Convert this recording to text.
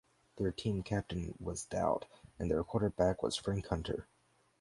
Their team captain was Dowd and their quarterback was Frank Hunter.